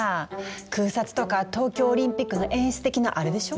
空撮とか東京オリンピックの演出的なアレでしょう？